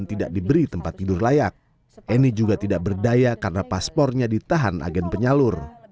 ia berpidato di paspornya di tahan agen penyalur